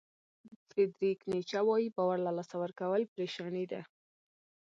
فریدریک نیچه وایي باور له لاسه ورکول پریشاني ده.